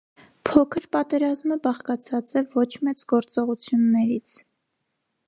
Փոքր պատերազմը բաղկացած է ոչ մեծ գործողություններից։